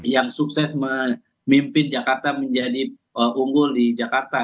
yang sukses memimpin jakarta menjadi unggul di jakarta